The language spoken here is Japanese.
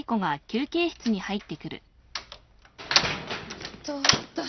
やっと終わった。